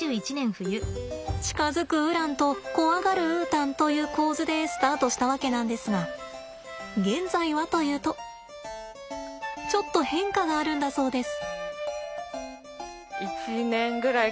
近づくウランと怖がるウータンという構図でスタートしたわけなんですが現在はというとちょっと変化があるんだそうです。